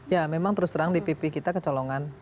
ya memang terus terang dpp kita kecolongan